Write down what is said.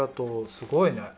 すごいね。